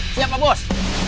siap ma bos